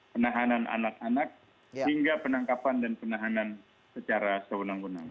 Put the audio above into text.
penahanan anak anak hingga penangkapan dan penahanan secara seunang wenang